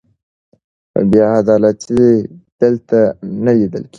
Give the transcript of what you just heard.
بې عدالتي دلته نه لیدل کېږي.